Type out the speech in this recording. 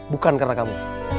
bukan karena kamu